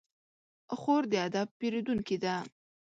خور د ادب پېرودونکې ده.